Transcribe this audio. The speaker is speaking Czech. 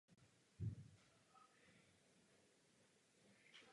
Byl aktivní v Sociálně demokratické straně Rakouska.